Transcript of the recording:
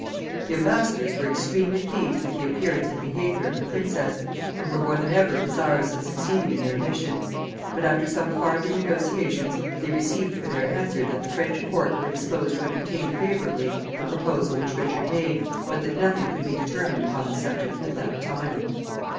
The embassadors were extremely pleased with the appearance and behavior of the princess, and were more than ever desirous of succeeding in their mission. But, after some farther negotiations, they received for their answer that the French court were disposed to entertain favorably the proposal which Richard made, but that nothing could be determined upon the subject at that time.